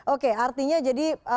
oke artinya jadi